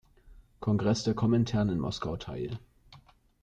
Kongress der Komintern in Moskau teil.